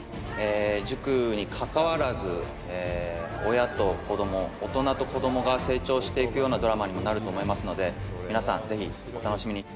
塾にかかわらず親と子供大人と子供が成長して行くようなドラマにもなると思いますので皆さんぜひお楽しみに。